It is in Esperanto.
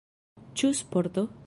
Ĉu sporto?